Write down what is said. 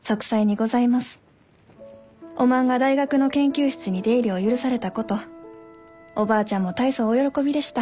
おまんが大学の研究室に出入りを許されたことおばあちゃんも大層お喜びでした」。